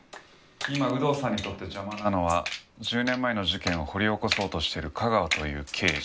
今有働さんにとって邪魔なのは１０年前の事件を掘り起こそうとしてる架川という刑事。